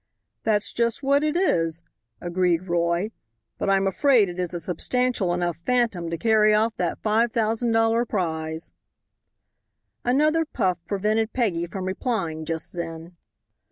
"That's just what it is," agreed Roy, "but I'm afraid it is a substantial enough phantom to carry off that $5,000 prize." Another puff prevented Peggy from replying just then.